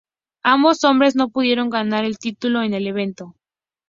Ambos hombres no pudieron ganar el título en el evento.